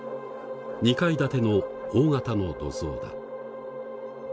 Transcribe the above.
２階建ての大型の土蔵だ。